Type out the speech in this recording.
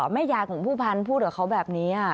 แม่ยายของผู้พันธุ์พูดกับเขาแบบนี้